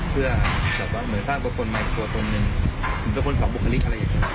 หรือว่าที่เขาทำเลยเนี่ยคือทำมาเพื่อ